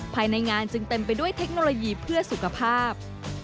ภายในงานจึงเต็มไปด้วยเทคโนโลยีเพื่อสุขภาพ